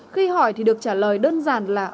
khi hỏi thì được trả lời đơn giản là